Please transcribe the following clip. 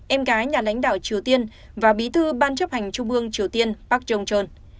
em gái nhà lãnh đạo triều tiên và bí thư ban chấp hành trung ương triều tiên park jong chon